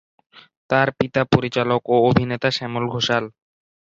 তার পিতা পরিচালক ও অভিনেতা শ্যামল ঘোষাল।